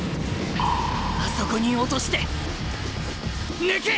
あそこに落として抜く！